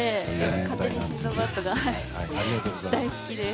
「勝手にシンドバッド」が大好きです。